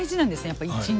やっぱり１日。